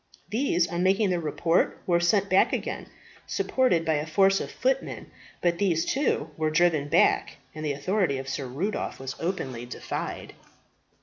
These on making their report were sent back again, supported by a force of footmen; but these, too, were driven back, and the authority of Sir Rudolph was openly defied.